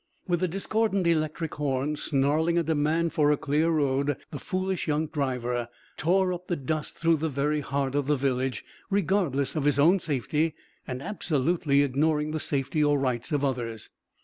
With the discordant electric horn snarling a demand for a clear road, the foolish young driver tore up the dust through the very heart of the village, regardless of his own safety and absolutely ignoring the safety or rights of others.